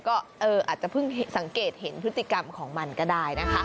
ก็อาจจะเพิ่งสังเกตเห็นพฤติกรรมของมันก็ได้นะคะ